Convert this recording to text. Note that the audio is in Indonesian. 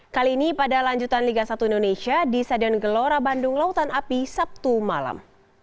kali ini pada lanjutan liga satu indonesia di stadion gelora bandung lautan api sabtu malam